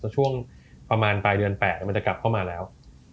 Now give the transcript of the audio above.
ช่วงประมาณปลายเดือน๘มันจะกลับเข้ามาแล้ว